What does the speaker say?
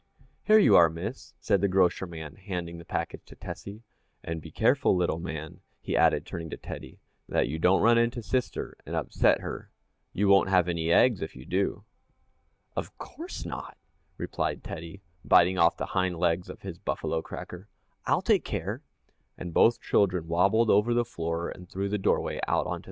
"Here you are, Miss," said the grocer man, handing the package to Tessie, "and be careful, little man," he added, turning to Teddy, "that you don't run into sister and upset her you won't have any eggs if you do!" "Of course not," replied Teddy, biting off the hind legs of his buffalo cracker. "I'll take care," and both children wabbled over the floor and through the doorway out onto the sidewalk. [Illustration: _Crash!